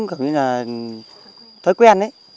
kiểu như là thói quen